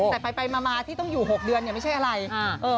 แต่ไปมาที่ต้องอยู่๖เดือนเนี่ยไม่ใช่อะไร